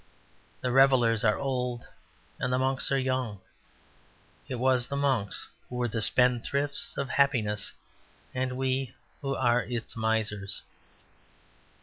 The revellers are old, and the monks are young. It was the monks who were the spendthrifts of happiness, and we who are its misers.